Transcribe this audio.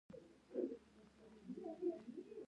آیا خلک هلته په ارامۍ سفر نه کوي؟